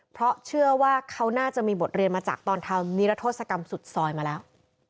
เพราะเชื่อว่าเขาน่าจะมีบทเรียนมาจากตอนทำนิรัทธศกรรมสุดซอยมาแล้ว